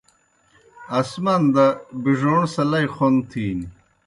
آسمان دہ بِڙَوݨ سہ لئی خون تِھینیْ۔